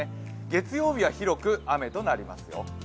月曜日は広く雨となりますよ。